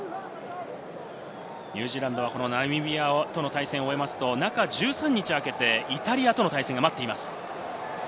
ニュージーランドはナミビアとの対戦を終えると、中１３日空けて、イタリアとの対戦が待っています。